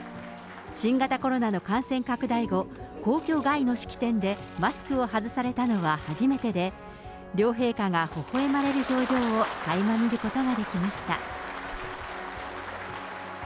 新型コロナの感染拡大後、皇居外の式典でマスクを外されたのは初めてで、両陛下がほほえまれる表情をかいま見ることができました。